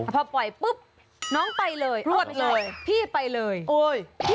พอปล่อยปุ๊บ